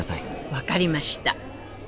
分かりました。